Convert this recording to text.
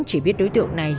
chỉ biết đối tượng này